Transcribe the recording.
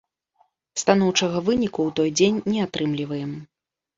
Станоўчага выніку ў той дзень не атрымліваем.